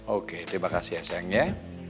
oke terima kasih ya sayangnya